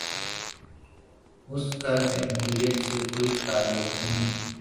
اس کا جمہوریت سے کوئی تعلق نہیں۔